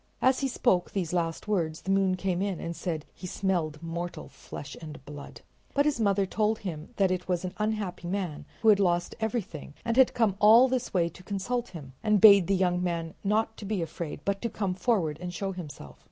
As he spoke these last words the moon came in and said he smelled mortal flesh and blood. But his mother told him that it was an unhappy man who had lost everything and had come all this way to consult him, and bade the young man not to be afraid, but to come forward and show himself.